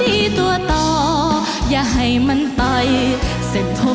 อีกสองหมื่นวันก็ชินไป